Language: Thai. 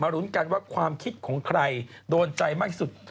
รุ้นกันว่าความคิดของใครโดนใจมากสุด